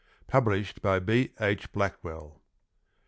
Published by B. H. Blackwell.